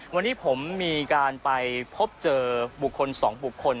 วันนี้ผมมีการไปพบเจอบุคคล๒บุคคล